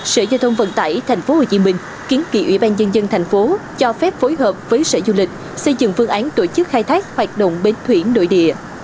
sở giao thông vận tải tp hcm kiến nghị ủy ban nhân dân tp hcm cho phép phối hợp với sở du lịch xây dựng phương án tổ chức khai thác hoạt động bến thủy nội địa